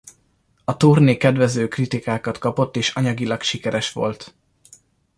A turné kedvező kritikákat kapott és anyagilag sikeres volt.